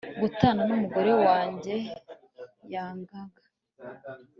gutana n'umugore wanjye, yangaga